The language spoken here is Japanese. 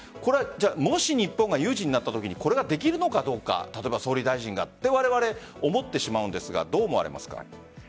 もし日本が有事になったときこれができるのか例えば、総理大臣がってわれわれ、思ってしまうんですがどう思われますか？